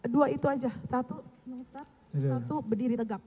dua itu aja satu berdiri tegak